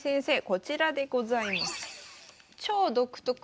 こちらでございます。